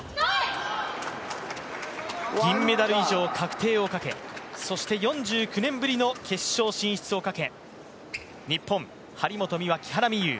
銀メダル以上確定をかけそして４９年ぶりの決勝進出をかけ日本、張本美和、木原美悠